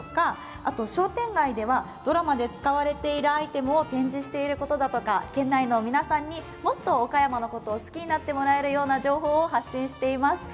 あと、商店街ではドラマで使われているアイテムを展示していることだとか県内の皆さんにもっと岡山のことを好きになってもらえるようなことを情報を発信しています。